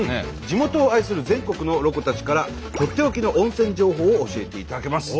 地元を愛する全国のロコたちからとっておきの温泉情報を教えていただけます。